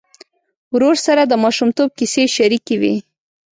ورور سره د ماشومتوب کیسې شريکې وې.